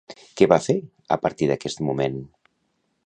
Què va fer a partir d'aquest moment?